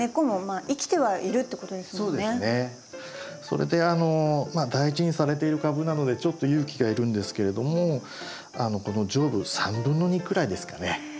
それで大事にされている株なのでちょっと勇気がいるんですけれどもこの上部2/3くらいですかね。